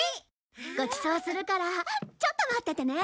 ごちそうするからちょっと待っててね。